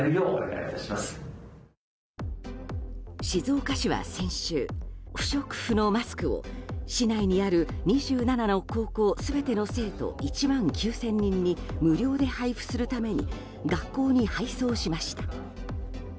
静岡市は先週不織布のマスクを市内にある２７の高校全ての生徒１万９０００人に無料で配布するために学校に配送しました。